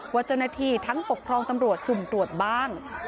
ว่าเจ้าหน้าที่ทั้งปกครองตำรวจสุ่มตรวจบ้าง